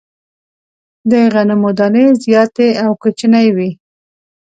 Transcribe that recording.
د غنمو دانې زیاتي او کوچنۍ وې.